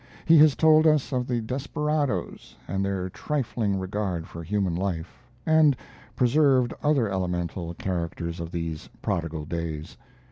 He has told us of the desperadoes and their trifling regard for human life, and preserved other elemental characters of these prodigal days.